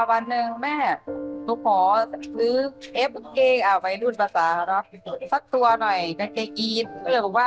เราก็ออกมาทำงานด้วยค่ะ